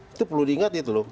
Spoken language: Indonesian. itu perlu diingat gitu loh